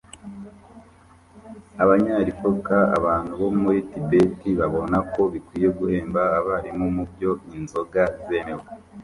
Abanya Lepcha abantu bo muri Tibet babona ko bikwiye guhemba abarimu mubyo inzoga zemewe